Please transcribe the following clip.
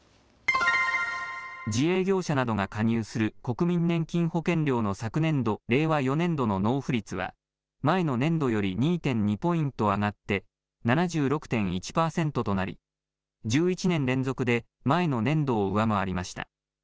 自営業者などが加入する国民年金保険料の昨年度・令和４年度の納付率は前の年度より２．２ポイント上がって７６．１％となり１１年連続で前の年度を上回りました。